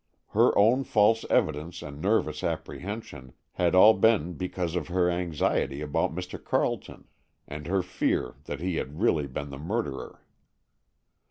Her own false evidence and nervous apprehension had all been because of her anxiety about Mr. Carleton, and her fear that he had really been the murderer.